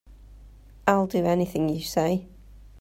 I'll do anything you say.